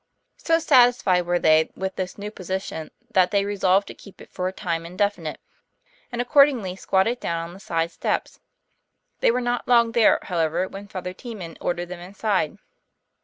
So satisfied were they with this new position, that they resolved to keep it for a time indefinite, and accordingly squatted down on the side steps. They were not long there, however, when Father Teeman ordered them inside.